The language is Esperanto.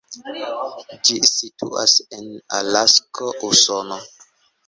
Ĝi situas en Alasko, Usono.